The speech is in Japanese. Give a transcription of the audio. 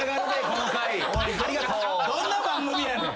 どんな番組やねん。